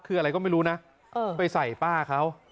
คืออะไรก็ไม่รู้นะไปใส่ป้าเขา